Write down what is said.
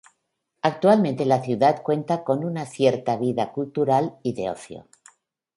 Actualmente la ciudad cuenta con una cierta vida cultural y de ocio.